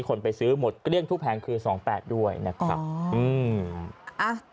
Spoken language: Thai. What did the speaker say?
คนไปซื้อหมดก็เรียกทุกแผงคือ๒๘ด้วยนะครับ